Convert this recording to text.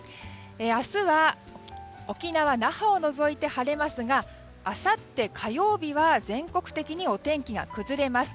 明日は沖縄・那覇を除いて晴れますがあさって火曜日は全国的にお天気が崩れます。